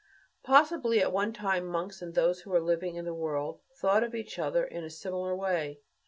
Possibly, at one time, monks and those who were living in the world thought of each other in a similar way.